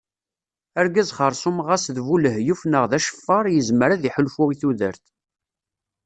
Argaz xerṣum xas d bu lehyuf neɣ d aceffar yezmer ad iḥulfu i tudert.